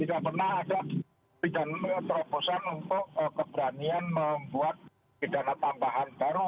tidak pernah ada terobosan untuk keberanian membuat pidana tambahan baru